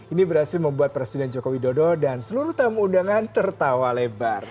ini berhasil membuat presiden joko widodo dan seluruh tamu undangan tertawa lebar